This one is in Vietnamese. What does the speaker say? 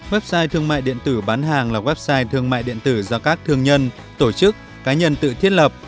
website thương mại điện tử bán hàng là website thương mại điện tử do các thương nhân tổ chức cá nhân tự thiết lập